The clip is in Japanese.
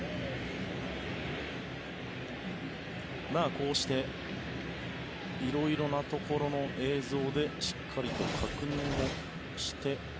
こうして色々なところの映像でしっかりと確認をして。